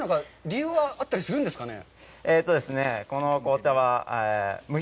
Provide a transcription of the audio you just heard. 理由は、あったりするんですかね。